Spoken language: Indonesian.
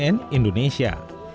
tim liputan cnn indonesia